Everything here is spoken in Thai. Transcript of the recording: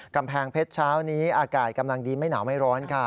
กำแพงเพชรเช้านี้อากาศกำลังดีไม่หนาวไม่ร้อนค่ะ